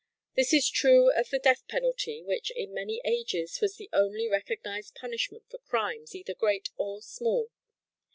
This is true of the death penalty which in many ages was the only recognized punishment for crimes either great or small.